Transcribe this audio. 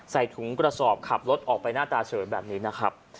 ใส่ถุงกระสอบขับรถออกไปหน้าตาเฉยแบบนี้นะครับ